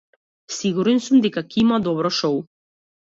Сигурен сум дека ќе има добро шоу.